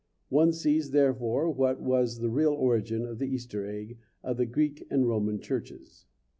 One sees, therefore, what was the real origin of the Easter egg of the Greek and Roman churches.